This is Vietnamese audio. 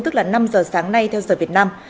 tức là năm giờ sáng nay theo giờ việt nam